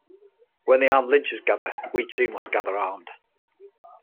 When the armed lynchers gather, we too must gather armed.